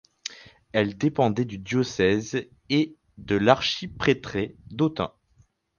Elle dépendait du diocèse et de l'archiprêtré d'Autun.